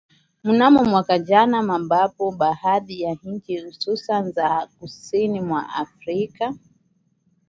mnamo mwaka jana mabapo baadhi ya nchi hususan za kusini mwa Afrika